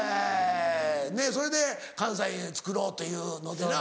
ねっそれで関西に作ろうというのでな。